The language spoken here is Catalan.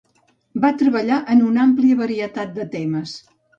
Va treballar en una àmplia varietat de temes.